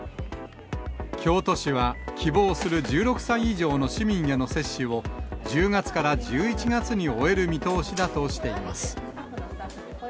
京都市は、希望する１６歳以上の市民への接種を、１０月から１１月に終える見通しだとしています。